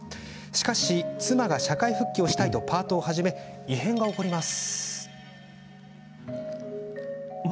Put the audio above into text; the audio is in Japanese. しかし、妻が社会復帰をしたいとパートを始め異変が起こります。